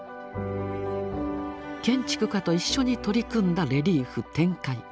建築家と一緒に取り組んだレリーフ「展開」。